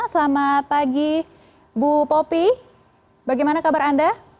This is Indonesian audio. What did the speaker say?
selamat pagi bu popi bagaimana kabar anda